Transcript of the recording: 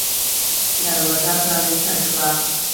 دروازه پًرانيستل شوه.